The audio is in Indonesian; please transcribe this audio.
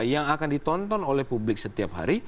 yang akan ditonton oleh publik setiap hari